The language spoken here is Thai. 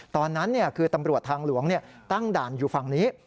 ตอนนั้นคือตำรวจทางหลวงตั้งด่านอยู่ฝั่งนี้